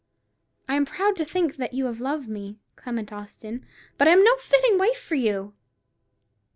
I am proud to think that you have loved me, Clement Austin; but I am no fitting wife for you!"